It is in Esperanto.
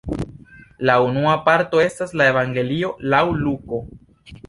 La unua parto estas la evangelio laŭ Luko.